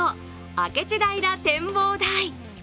明智平展望台。